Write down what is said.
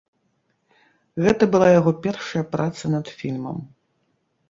Гэта была яго першая праца над фільмам.